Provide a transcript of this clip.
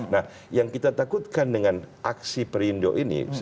nah yang kita takutkan dengan aksi perindo ini